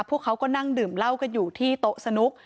พวกเขาก็นั่งดื่มเหล้ากันอยู่ที่โต๊ะสนุก